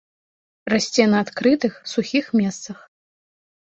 Расце на адкрытых, сухіх месцах.